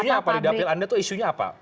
artinya apa di dapil anda tuh isunya apa